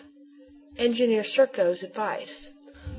ENGINEER SERKO'S ADVICE.